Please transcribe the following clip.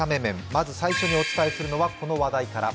まず最初にお伝えするのは、この話題から。